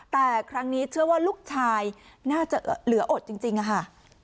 แต่ครั้งนี้เชื่อว่าลูกชายน่าจะเหลืออดจริงค่ะ